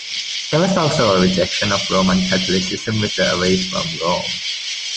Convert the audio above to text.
There was also a rejection of Roman Catholicism with the Away from Rome!